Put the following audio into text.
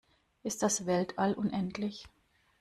Ist das Weltall unendlich?